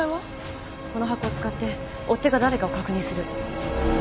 この箱を使って追っ手が誰かを確認する。